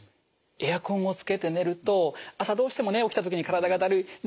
エアコンをつけて寝ると朝どうしてもね起きた時に体がだるい。